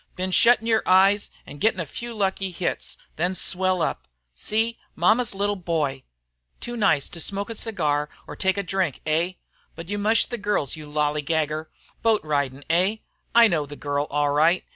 Been shuttin' your eyes an' gettin' a few lucky hits then swell up. See! Mama's little baby boy! Too nice to smoke a cigar or take a drink, eh? But you mush the girls, you lalligager! Boat ridin', eh? I know the girl, all right.